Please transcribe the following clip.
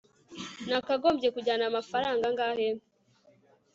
nakagombye kujyana amafaranga angahe